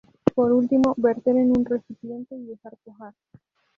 Por último verter en un recipiente y dejar cuajar.